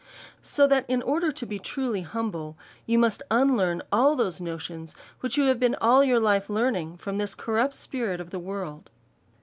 So that in order to be truly humble, you must unlearn all those notions which you have been all your life learning from this corrupt spirit of the world.